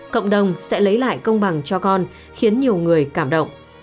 cộng đồng sẽ lấy lại công bằng cho con khiến nhiều người cảm động